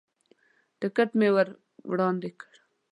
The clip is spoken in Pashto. ټکټ مې ور وړاندې کړ.